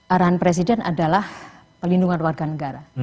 arahan presiden adalah pelindungan warga negara